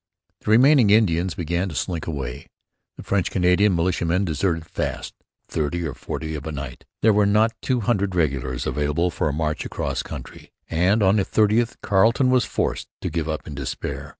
The remaining Indians began to slink away. The French Canadian militiamen deserted fast 'thirty or forty of a night.' There were not two hundred regulars available for a march across country. And on the 30th Carleton was forced to give up in despair.